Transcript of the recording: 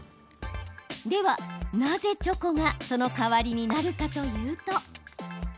では、なぜチョコがその代わりになるかというと。